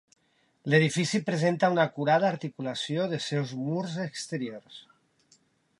L'edifici presenta una acurada articulació dels seus murs exteriors.